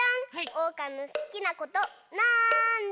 おうかのすきなことなんだ？